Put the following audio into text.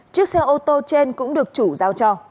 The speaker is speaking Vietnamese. chiếc xe ô tô trên cũng được chủ giao cho